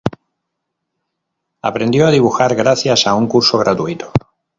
Aprendió a dibujar gracias a un curso gratuito.